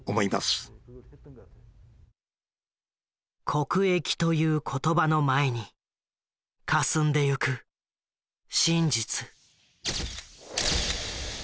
「国益」という言葉の前にかすんでいく「真実」。